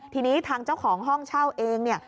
ทีนี้ทางเจ้าของห้องเช่าเองเนี่ย